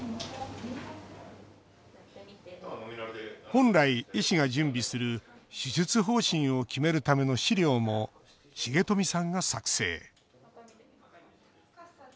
本来医師が準備する手術方針を決めるための資料も重冨さんが作成